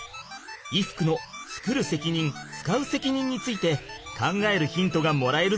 衣服の「つくる責任つかう責任」について考えるヒントがもらえるぞ。